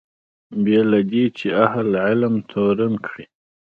بې له دې چې اهل علم تورن کړي.